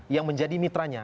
yang menjadi mitranya